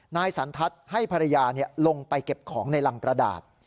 นายสันทัศน์ให้ภรรยาลงไปเก็บของในรังกระดาษ